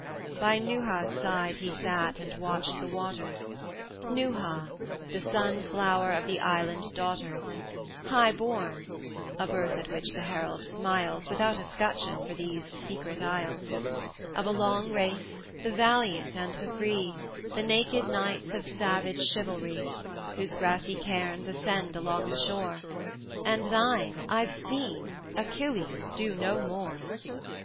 X. By Neuha's side he sate, and watched the waters, Neuha, the sun flower of the island daughters, Highborn, (a birth at which the herald smiles, Without a scutcheon for these secret isles,) Of a long race, the valiant and the free, The naked knights of savage chivalry, Whose grassy cairns ascend along the shore; And thine I've seen Achilles! do no more.